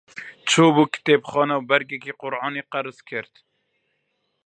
چوو بۆ کتێبخانە و بەرگێکی قورئانی قەرز کرد.